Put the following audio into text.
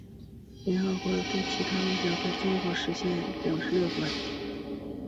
联合国对其他目标在中国的实现表示乐观。